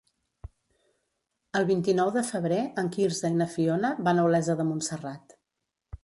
El vint-i-nou de febrer en Quirze i na Fiona van a Olesa de Montserrat.